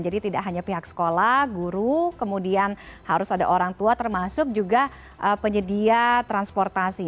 jadi tidak hanya pihak sekolah guru kemudian harus ada orang tua termasuk juga penyedia transportasi